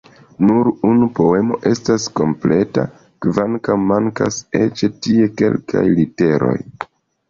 Nur unu poemo estas kompleta, kvankam mankas eĉ tie kelkaj literoj.